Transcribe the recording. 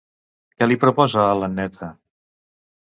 Què li proposa a l'Anneta?